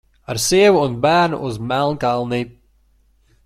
Ar sievu un bērnu uz Melnkalni!